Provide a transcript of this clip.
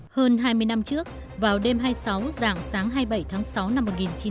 hơn hai mươi năm trước vào đêm hai mươi sáu dạng sáng hai mươi bảy tháng sáu năm một nghìn chín trăm bảy mươi